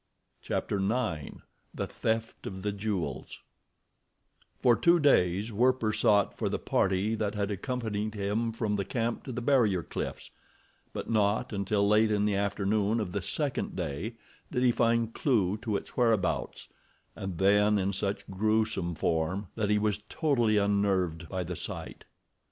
CHAPTER IX. The Theft of the Jewels For two days Werper sought for the party that had accompanied him from the camp to the barrier cliffs; but not until late in the afternoon of the second day did he find clew to its whereabouts, and then in such gruesome form that he was totally unnerved by the sight.